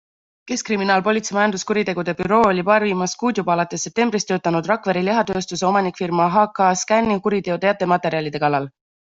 Keskkriminaalpolitsei majanduskuritegude büroo oli paar viimast kuud, juba alates septembrist töötanud Rakvere lihatööstuse omanikfirma HKScani kuriteoteate materjalide kallal.